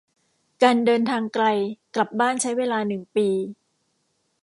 การเดินทางไกลกลับบ้านใช้เวลาหนึ่งปี